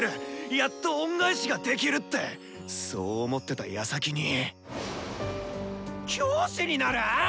やっと恩返しができる」ってそう思ってたやさきに教師になる⁉